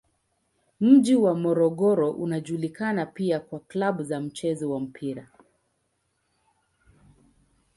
Mji wa Morogoro unajulikana pia kwa klabu za mchezo wa mpira.